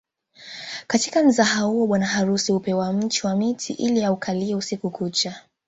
Katika mzaha huo bwana harusi hupewa mchi wa mti ili aukalie usiku kucha